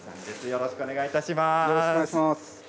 よろしくお願いします。